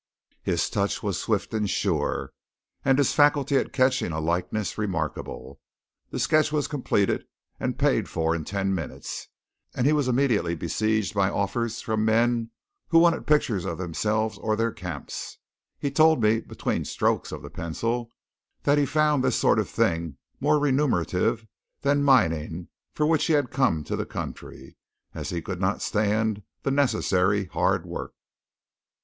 His touch was swift and sure, and his faculty at catching a likeness remarkable. The sketch was completed and paid for in ten minutes; and he was immediately besieged by offers from men who wanted pictures of themselves or their camps. He told me, between strokes of the pencil, that he found this sort of thing more remunerative than the mining for which he had come to the country, as he could not stand the necessary hard work.